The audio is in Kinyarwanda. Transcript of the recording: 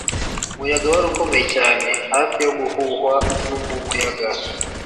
umuyaga wari ukomeye cyane, hafi yo guhuhwa mumuhanda